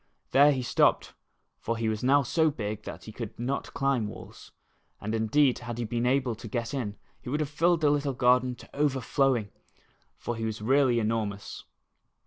There he stopped, for he was now so big that he could not climb walls, and indeed had he been able to get in he would have filled the little garden to overflowing, for he was really enormous.